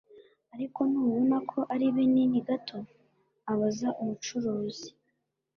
ariko ntubona ko ari binini gato? abaza umucuruzi